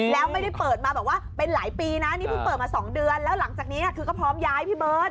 แล้วไม่ได้เปิดมาบอกว่าเป็นหลายปีนะนี่เพิ่งเปิดมา๒เดือนแล้วหลังจากนี้คือก็พร้อมย้ายพี่เบิร์ต